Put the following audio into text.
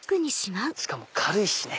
しかも軽いしね。